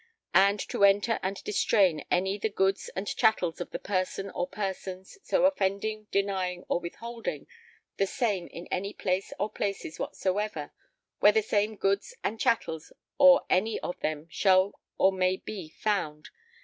[and] to enter and distrain any the goods and chattels of the person or persons so offending denying or withholding the same in any place or places whatsoever where the same goods and chattels or any of them shall or may be found